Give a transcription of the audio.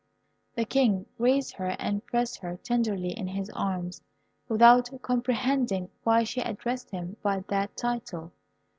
The King raised her and pressed her tenderly in his arms, without comprehending why she addressed him by that title.